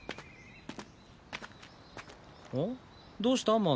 どうした？